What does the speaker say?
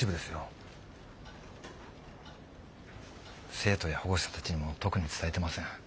生徒や保護者たちにも特に伝えてません。